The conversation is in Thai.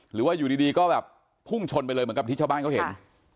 หรือว่าอยู่ดีก็แบบพุ่งชนไปเลยเหมือนกับที่ชาวบ้านเขาเห็น